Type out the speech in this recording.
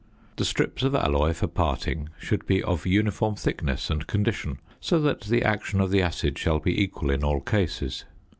The strips of alloy for parting should be of uniform thickness and condition so that the action of the acid shall be equal in all cases.